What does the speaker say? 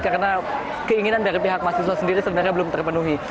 karena keinginan dari pihak mahasiswa sendiri sebenarnya belum terpenuhi